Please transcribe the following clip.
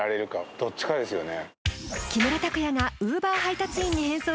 どっちかですよね